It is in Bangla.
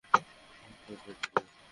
আমি কী করবে জানি না।